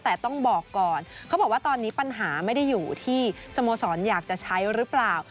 แต่ต้องบอกก่อนเขาบอกว่าตอนนี้ปัญหาไม่ได้อยู่ที่สโมสรอยากจะใช้หรือเปล่า